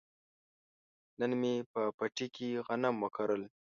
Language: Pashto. نن مې په پټي کې غنم وکرل.